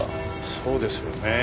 そうですよね。